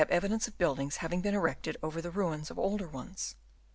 evidence of buildings having been erected over the ruins of older ones.